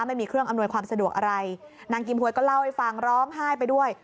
ไม่มีเครื่องอำนวยความสะดวกอะไรนางกิมหวยก็เล่าให้ฟังร้องไห้ไปด้วย